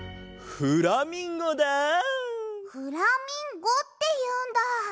フラミンゴっていうんだ。